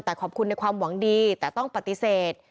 แต่ขอบคุณในความหวังดีแต่ต้องปฏิเสธ